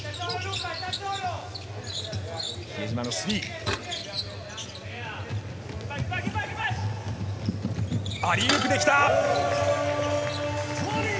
比江島のスリー。